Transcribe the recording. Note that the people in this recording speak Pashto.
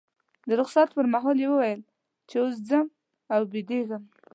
د رخصت پر مهال یې وویل چې اوس ځم او بیدېږم.